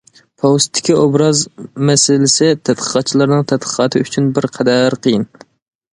پوۋېستتىكى ئوبراز مەسىلىسى تەتقىقاتچىلارنىڭ تەتقىقاتى ئۈچۈن بىر قەدەر قىيىن.